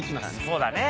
そうだね。